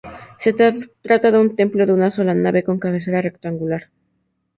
Se trata de un templo de una sola nave con cabecera rectangular.